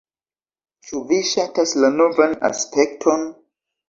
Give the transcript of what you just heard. Ĉu vi ŝatas la novan aspekton?